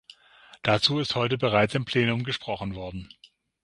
Dazu ist heute bereits im Plenum gesprochen worden.